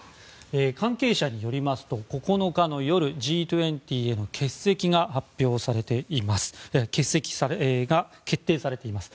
関係者によりますと９日の夜Ｇ２０への欠席が決定されています。